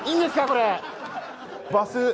これ。